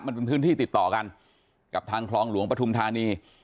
มันเป็นพื้นที่ติดต่อกันกับทางคลองหลวงปฐุมธานี